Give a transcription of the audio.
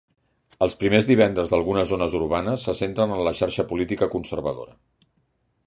Els primers divendres d'algunes zones urbanes se centren en la xarxa política conservadora.